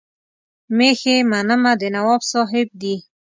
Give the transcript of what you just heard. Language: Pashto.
مېښې منمه د نواب صاحب دي.